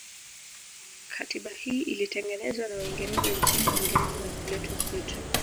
Katiba hii ilitengenezwa na waingereza nchini Uingereza na kuletwa kwetu